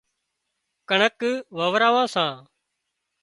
ڪڻڪ واوران سان